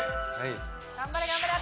頑張れ頑張れ！